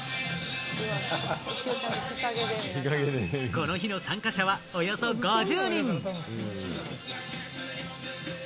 この日の参加者はおよそ５０人。